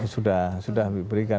sudah sudah diberikan